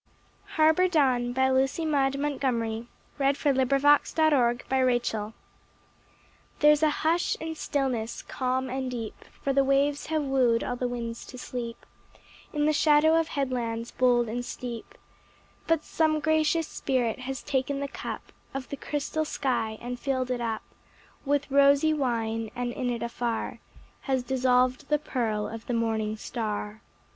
New Quote Next Poem 26 / 97 Previous Poem Harbor Dawn Rating: ★2.8 Autoplay There's a hush and stillness calm and deep, For the waves have wooed all the winds to sleep In the shadow of headlands bold and steep; But some gracious spirit has taken the cup Of the crystal sky and filled it up With rosy wine, and in it afar Has dissolved the pearl of the morning star.